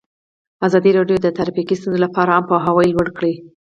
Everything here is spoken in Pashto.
ازادي راډیو د ټرافیکي ستونزې لپاره عامه پوهاوي لوړ کړی.